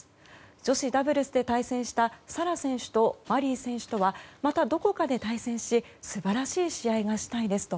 女子ダブルスで対戦したサラ選手とマリー選手とはまたどこかで対戦し素晴らしい試合がしたいですと。